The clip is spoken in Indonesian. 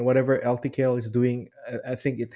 dan apa saja yang ltkl lakukan saya pikir